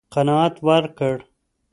قناعت ورکړ.